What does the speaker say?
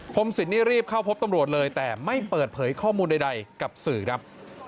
สินนี่รีบเข้าพบตำรวจเลยแต่ไม่เปิดเผยข้อมูลใดกับสื่อครับ